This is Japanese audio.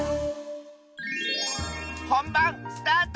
ほんばんスタート！